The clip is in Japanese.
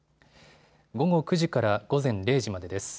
午後９時から午前０時までです。